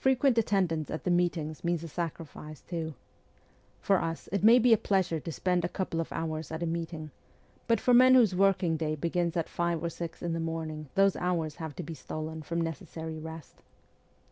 Frequent attendance at the meetings means a sacrifice too. For us it may be a pleasure to spend a couple of hours at a meeting, but for men whose working day begins at five or six in the morning those hours have to be stolen from necessary rest.